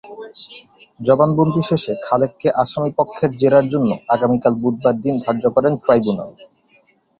জবানবন্দি শেষে খালেককে আসামিপক্ষের জেরার জন্য আগামীকাল বুধবার দিন ধার্য করেন ট্রাইব্যুনাল।